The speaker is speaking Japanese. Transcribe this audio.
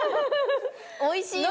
おいしいわ！